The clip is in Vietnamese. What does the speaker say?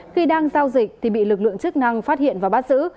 khi đang giao dịch thì bị lực lượng chức năng phát hiện và bắt giữ